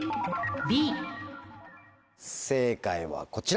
正解はこちら！